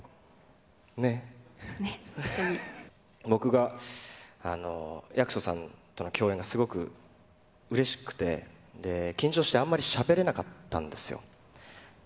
僕が、役所さんとの共演がすごくうれしくて、緊張してあんまりしゃべれなかったんですよ。